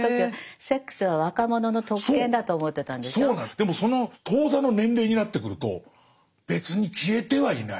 でもその当座の年齢になってくると別に消えてはいない。